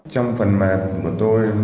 trong phần mềm của tôi